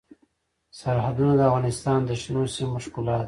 سرحدونه د افغانستان د شنو سیمو ښکلا ده.